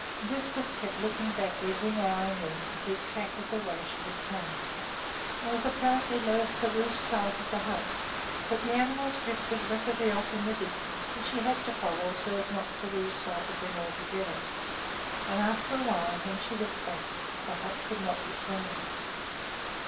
Lisbeth kept looking back every now and then to keep track of the way she had come, and was apparently loath to lose sight of the hut; but the animals drifted rapidly off in the distance and she had to follow so as not to lose sight of them altogether, and after a while, when she looked back, the hut could not be seen.